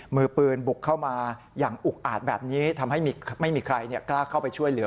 มือปืนบุกเข้ามาอย่างอุกอาจแบบนี้ทำให้ไม่มีใครกล้าเข้าไปช่วยเหลือ